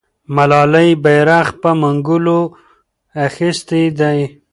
ملالۍ بیرغ په منګولو اخیستی دی.